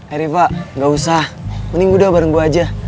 eh riva gausah mending udah bareng gue aja